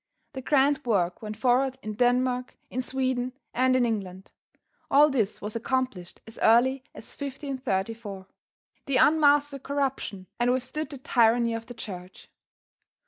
The grand work went forward in Denmark, in Sweden and in England. All this was accomplished as early as 1534. They unmasked the corruption and withstood the tyranny of the church.